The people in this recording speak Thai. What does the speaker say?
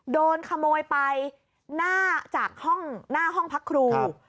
โดนขโมยไปจากหน้าห้องพักครู